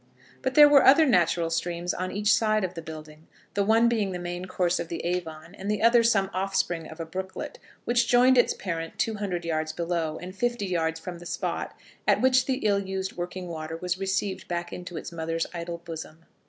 But there were other natural streams on each side of the building, the one being the main course of the Avon, and the other some offspring of a brooklet, which joined its parent two hundred yards below, and fifty yards from the spot at which the ill used working water was received back into its mother's idle bosom.